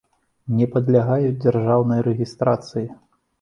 Не падлягаюць дзяржаўнай рэгiстрацыi.